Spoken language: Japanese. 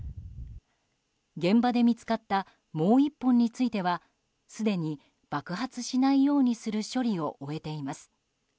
現場で見つかったもう１本についてはすでに爆発しないようにする処理を終えています。